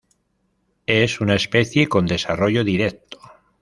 Es una especie con desarrollo directo.